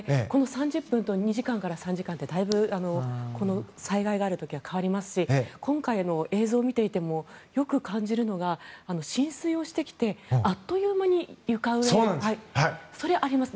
３０分と２時間から３時間って災害がある時は変わりますし今回、映像を見ていてもよく感じるのは浸水をしてきて、あっという間に床上浸水があります。